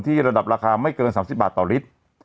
ระดับราคาไม่เกิน๓๐บาทต่อลิตร